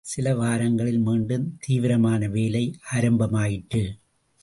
சில வாரங்களில் மீண்டும் தீவிரமான வேலை ஆரம்பமாயிற்று.